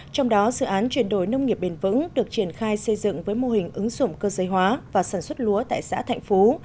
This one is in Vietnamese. trong đó dự án chuyển đổi nông nghiệp bền vững được triển khai xây dựng với mô hình ứng dụng cơ giới hóa và sản xuất lúa tại xã thạnh phú